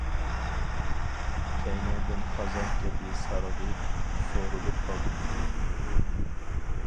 كەينىڭدىن خازان كەبى سارغىيىپ، سورۇلۇپ قالدىم.